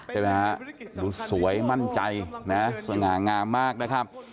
ได้ไหมครับสวยมั่นใจนะส่วนหงามมากนะครับ